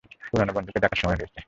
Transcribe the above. পুরনো বন্ধুকে ডাকার সময় হয়েছে।